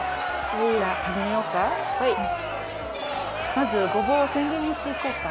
まずごぼうをせんぎりにしていこうか。